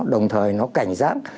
đồng thời nó cảnh giác